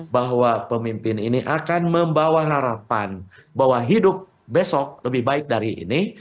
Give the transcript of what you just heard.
bahwa pemimpin ini akan membawa harapan bahwa hidup besok lebih baik dari ini